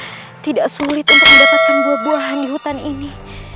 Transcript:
saya tidak sulit untuk mendapatkan buah buahan di hutan ini